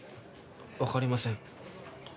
わかりません。